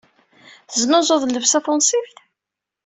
Teznuzuḍ llebsa tunṣibt?